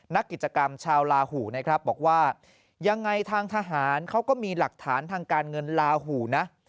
นักกิจกรรมชาวลาหูนะครับบอกว่ายังไงทางทหารเขาก็มีหลักฐานทางการเงินลาหูนะ